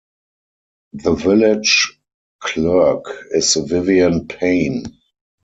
The Village Clerk is Vivian Payne.